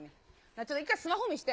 ちょっと一回スマホ見して。